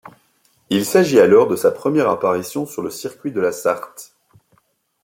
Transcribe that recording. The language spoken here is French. Il s'agit alors de sa première apparition sur le circuit de la Sarthe.